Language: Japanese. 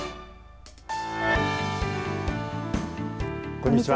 こんにちは。